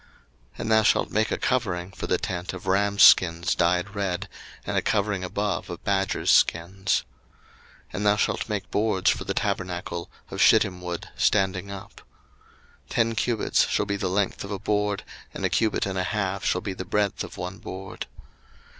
02:026:014 And thou shalt make a covering for the tent of rams' skins dyed red, and a covering above of badgers' skins. 02:026:015 And thou shalt make boards for the tabernacle of shittim wood standing up. 02:026:016 Ten cubits shall be the length of a board, and a cubit and a half shall be the breadth of one board.